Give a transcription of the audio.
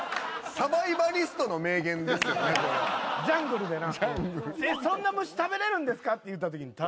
ジャングルでな。